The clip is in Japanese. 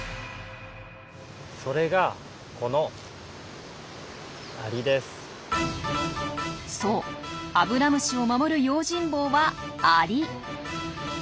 それがこのそうアブラムシを守る用心棒はアリ。